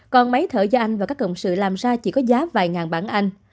còn máy thở do anh và các cộng sự làm ra chỉ có giá vài ngàn bản anh